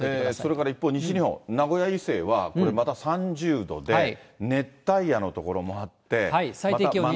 それから一方、西日本、名古屋以西は、これまた３０度で、熱帯夜の所もあって、最低気温２５度。